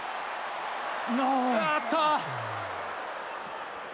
あーっと！